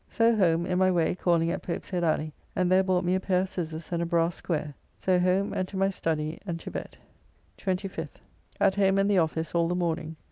So home, in my way calling at Pope's Head alley, and there bought me a pair of scissars and a brass square. So home and to my study and to bed. 25th. At home and the office all the morning.